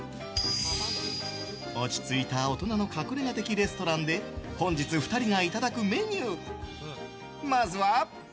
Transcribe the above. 落ち着いた大人の隠れ家的レストランで本日２人がいただくメニューまずは。